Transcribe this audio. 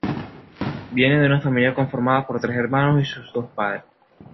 Viene de una familia conformada por tres hermanos y sus dos padres.